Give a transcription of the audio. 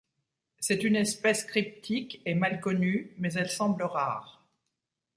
C'est une espèce cryptique et mal connue, mais elle semble rare.